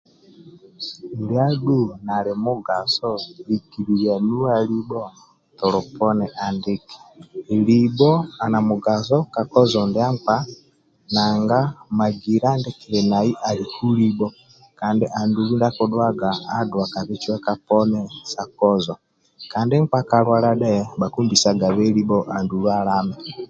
Ndia adhu nali namugaso lokililia nuwa libho tolo poni andiki libho ali na mugaso ka kozo ndia nkpa nanga magila ndie kili nai aliku libho kandi nkpa kalwala dhe bhakimbisagabe libho andulu alame